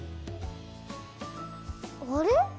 あれ？